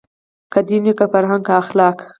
که دین وي که فرهنګ که اخلاق